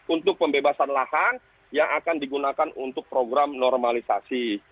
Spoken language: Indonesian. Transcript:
untuk pembebasan lahan yang akan digunakan untuk program normalisasi